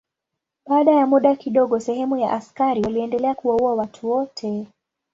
Baada ya muda kidogo sehemu ya askari waliendelea kuwaua watu wote.